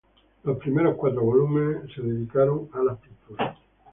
Los primeros cuatro volúmenes se dedicaron a las pinturas.